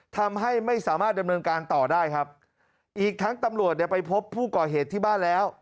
ทำให้ไม่สามารถดำเนินการต่อได้ครับอีกทั้งตำรวจเนี่ยไปพบผู้ก่อเหตุที่บ้านแล้ว